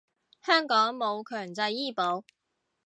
香港冇強制醫保